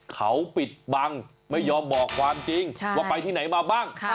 เขาปิดบังไม่ยอมบอกความจริงว่าไปที่ไหนมาบ้าง